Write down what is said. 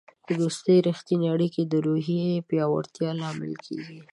د دوستی رښتیني اړیکې د روحیې پیاوړتیا لامل کیږي.